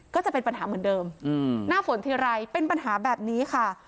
ก็จะเป็นปัญหาเหมือนเดิมหน้าฝนทีไรเป็นปัญหาแบบนี้ค่ะ